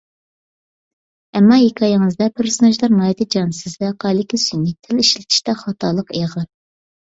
ئەمما ھېكايىڭىزدە پېرسوناژلار ناھايىتى جانسىز، ۋەقەلىكى سۈنئىي، تىل ئىشلىتىشتە خاتالىق ئېغىر.